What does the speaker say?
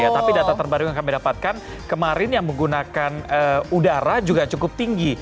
tapi data terbaru yang kami dapatkan kemarin yang menggunakan udara juga cukup tinggi